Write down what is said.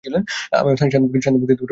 আমি শান্তমুখে ভাত খেতে বসলাম।